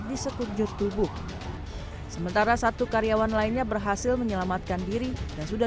di sekujur tubuh sementara satu karyawan lainnya berhasil menyelamatkan diri dan sudah